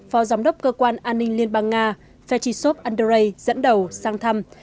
phó giám đốc cơ quan an ninh liên bang nga fashisov andrei dẫn đầu sang thăm